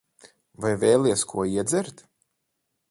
Vai vēlies ko iedzert?